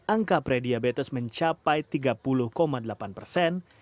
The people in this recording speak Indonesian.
angka pre diabetes mencapai tiga puluh delapan persen